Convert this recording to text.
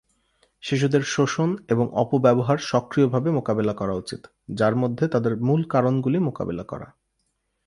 শিশুদের শোষণ এবং অপব্যবহার সক্রিয়ভাবে মোকাবেলা করা উচিত, যার মধ্যে তাদের মূল কারণগুলি মোকাবেলা করা।